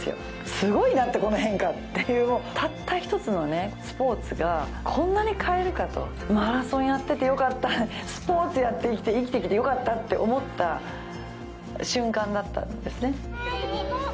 すごいなってこの変化っていうたった一つのスポーツがこんなに変えるかとマラソンやっててよかったスポーツやって生きてきてよかったって思った瞬間だったんですね